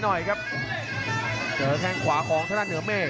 หน่อยครับเจอแค่ขวาของธนาภารเหนือเมฆ